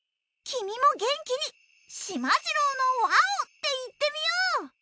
君も元気に『しまじろうのわお！』って言ってみよう！